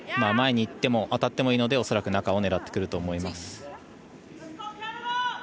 前にいっても当たってもいいので恐らく中を狙ってくると思います。